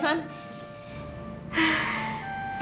sekarang saya udah agak lega non